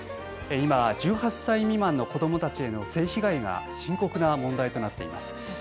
今、１８歳未満の子どもたちへの性被害が深刻な問題となっています。